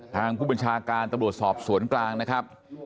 ทางผู้บัญชาการตำรวจสอบสวนกลางนะครับ